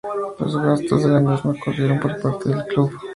Los gastos de la misma corrieron por parte del club.